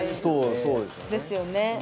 そうですよね。